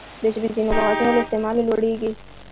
د ژبي ځیني لغاتونه له استعماله لوړیږي.